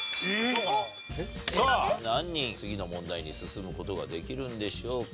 さあ何人次の問題に進む事ができるんでしょうか？